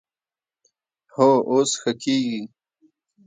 هو، اوس ښه کیږي